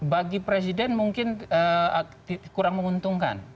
bagi presiden mungkin kurang menguntungkan